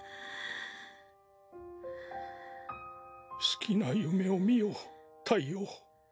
好きな夢を見よ太陽。